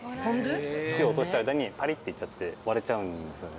土落としてる間にぱりっていっちゃって、割れちゃうんですよね。